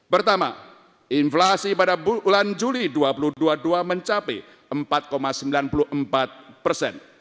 pertama inflasi pada bulan juli dua ribu dua puluh dua mencapai empat sembilan puluh empat persen